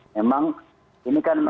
memang ini kan